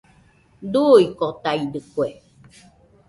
Duuikotaidɨkue